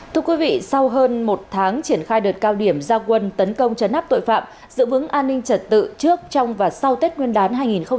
thưa quý vị sau hơn một tháng triển khai đợt cao điểm gia quân tấn công chấn áp tội phạm giữ vững an ninh trật tự trước trong và sau tết nguyên đán hai nghìn hai mươi bốn